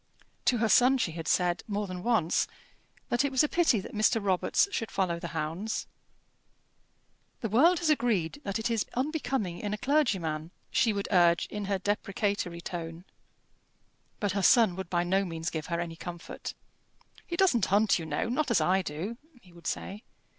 To her son she had said, more than once, that it was a pity that Mr. Robarts should follow the hounds. "The world has agreed that it is unbecoming in a clergyman," she would urge, in her deprecatory tone. But her son would by no means give her any comfort. "He doesn't hunt, you know not as I do," he would say.